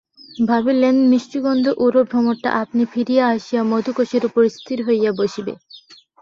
ভাবিলেন, মিষ্টগন্ধে উড়ো ভ্রমরটা আপনি ফিরিয়া আসিয়া মধুকোষের উপর স্থির হইয়া বসিবে।